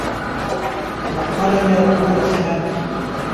خو خپله يې دولس کاله کېږي.